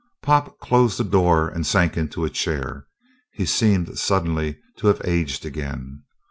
Pop closed the door and sank into a chair. He seemed suddenly to have aged again.